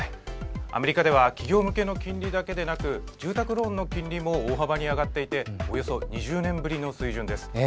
アメリカでは企業向けの金利だけでなく住宅ローンの金利も大幅に上がっていておよそ２０年ぶりの水準です。